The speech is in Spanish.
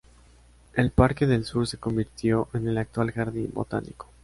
El parque del sur se convirtió en el actual jardín botánico.